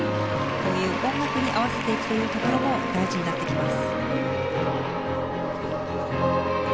こういう音楽に合わせていくところも大事になってきます。